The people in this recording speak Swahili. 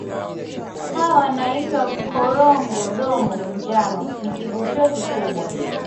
Hawa wanaitwa Korongo Domo njano ni kivutio kikubwa